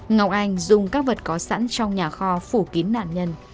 ngọc anh dùng các vật có sẵn trong nhà kho phủ kín nạn nhân